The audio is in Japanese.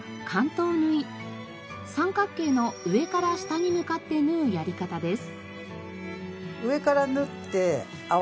三角形の上から下に向かって縫うやり方です。